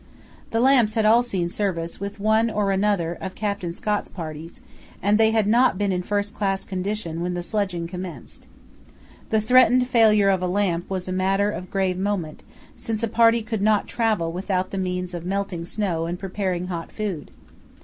The lamps had all seen service with one or other of Captain Scott's parties, and they had not been in first class condition when the sledging commenced. The threatened failure of a lamp was a matter of grave moment, since a party could not travel without the means of melting snow and preparing hot food.